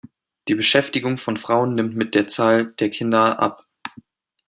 Die Beschäftigung von Frauen nimmt mit der Zahl der Kinder ab.